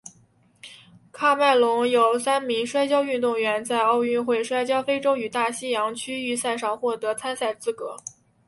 喀麦隆有三名摔跤运动员在奥运摔跤非洲与大洋洲区预选赛上获得参赛资格。